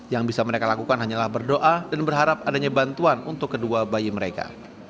yang bisa mereka lakukan hanyalah berdoa dan berharap adanya bantuan untuk kedua bayi mereka